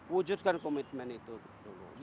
wujudkan komitmen itu dulu